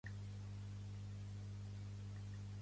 El meu pare es diu Santiago Gine: ge, i, ena, e.